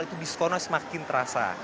itu diskonnya semakin terasa